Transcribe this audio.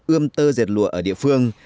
ươm tơ dệt lụa ở địa phương